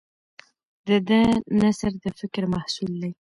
د ده نثر د فکر محصول دی.